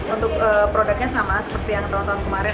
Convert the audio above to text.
untuk produknya sama seperti yang tahun tahun kemarin